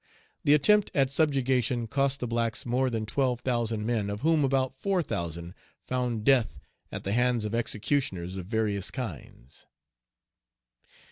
The attempt at subjugation cost the blacks more than twelve thousand men, of whom about four thousand found death at the hands of executioners of various kinds.